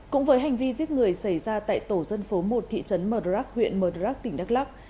cũng với hành vi giết người xảy ra tại tổ dân phố một thị trấn mờ đo rắc huyện mờ đo rắc tỉnh đắk lắk